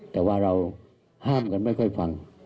แต่ว่าเราห้ามกันไม่ค่อยฟัง